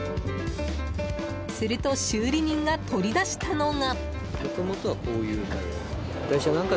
すると修理人が取り出したのが。